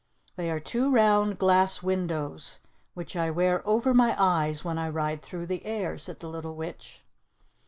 "They are two round glass windows, which I wear over my eyes when I ride through the air," said the little Witch.